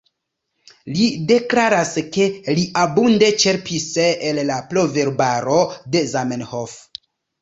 Li deklaras, ke li abunde ĉerpis el la Proverbaro de Zamenhof.